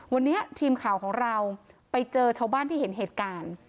วันนี้ทีมข่าวของเราไปเจอชาวบ้านที่เห็นเหตุการณ์